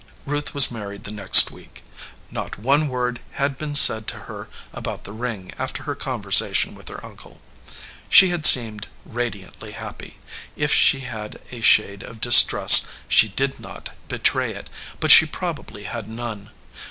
Ruth was married the next week. Not one word 275 EDGEWATER PEOPLE had been said to her about the ring after her con versation with her uncle. She had seemed ra diantly happy. If she had a shade of distrust, she did not betray it ; but she probably had none.